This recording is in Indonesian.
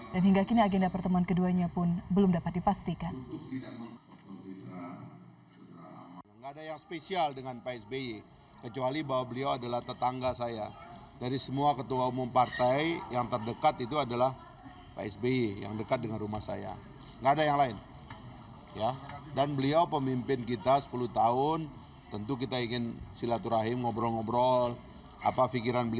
dan hingga kini agenda pertemuan keduanya pun belum dapat dipastikan